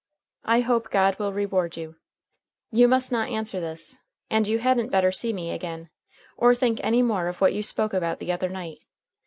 I hope God will reward you. You must not answer this, and you hadn't better see me again, or think any more of what you spoke about the other night.